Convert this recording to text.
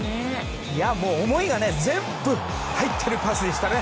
思いが全部入っているパスでしたね。